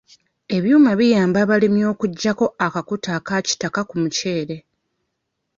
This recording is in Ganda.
Ebyuma biyamba abalimi okuggyako akakuta aka kitaka ku muceere.